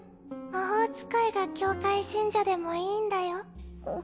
魔法使いが教会信者でもいいんだよ